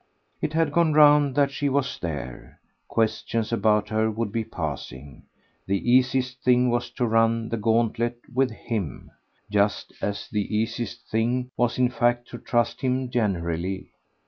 It had gone round that she was there; questions about her would be passing; the easiest thing was to run the gauntlet with HIM just as the easiest thing was in fact to trust him generally.